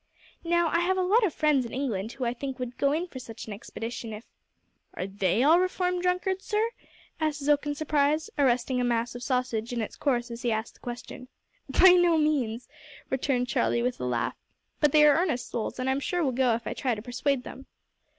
"Now, I have a lot of friends in England who, I think, would go in for such an expedition if " "Are they all reformed drunkards, sir?" asked Zook in surprise, arresting a mass of sausage in its course as he asked the question. "By no means," returned Charlie with a laugh, "but they are earnest souls, and I'm sure will go if I try to persuade them."